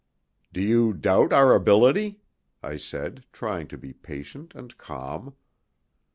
"Do you doubt our ability?" I said, trying to be patient and calm.